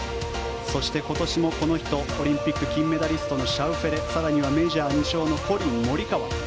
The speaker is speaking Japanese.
そして今年もこの人オリンピック金メダリストのシャウフェレ更にはメジャー２勝のコリン・モリカワ。